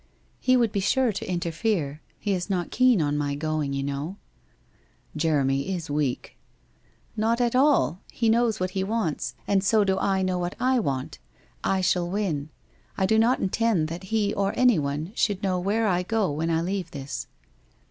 He would be sure to interfere. He is not keen on my going, you know ?'' Jeremy is weak.' ' Not at all. He knows what he wants — and so do I know what 1 want. I shall win. I do not intend that he or anyone should know where I go when I leave this.'